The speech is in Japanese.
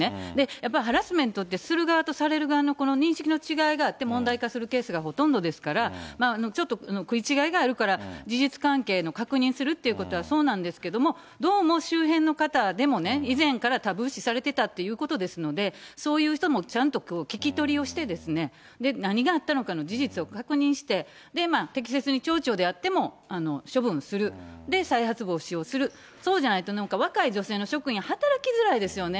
やっぱりハラスメントってする側とされる側の認識の違いがあって、問題化するケースがほとんどですから、ちょっと食い違いがあるから、事実関係の確認するっていうことはそうなんですけども、どうも周辺の方でもね、以前からタブー視されてたっていうことですので、そういう人もちゃんと聞き取りをしてですね、何があったのかの事実を確認して、適切に町長であっても処分する、で、再発防止をする、そうじゃないと、若い女性の職員、働きづらいですよね。